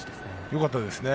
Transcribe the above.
よかったですね